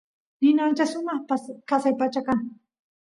nina ancha sumaq qasa pachapa kan